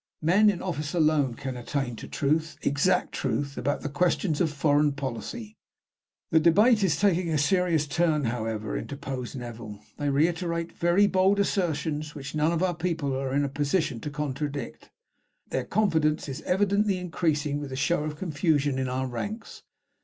Men in office alone can attain to truth exact truth about questions of foreign policy." "The debate is taking a serious turn, however," interposed Neville. "They reiterate very bold assertions, which none of our people are in a position to contradict. Their confidence is evidently increasing with the show of confusion in our ranks.